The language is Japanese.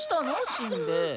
しんべヱ。